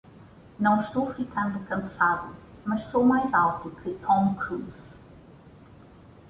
Não estou ficando cansado, mas sou mais alto que Tom Cruise!